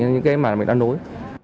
những cái mà mình đang nối